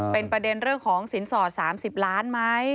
เป็นประเด็นเรื่องของสินสอด๓๐ล้านไหม